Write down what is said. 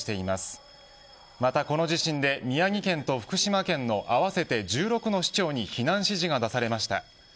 またこの地震で宮城県と福島県の合わせて１６の市町に避難指示が出されました。